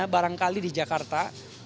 barangkali di jakarta